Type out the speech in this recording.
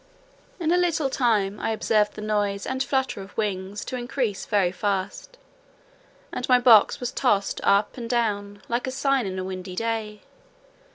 In a little time, I observed the noise and flutter of wings to increase very fast, and my box was tossed up and down, like a sign in a windy day.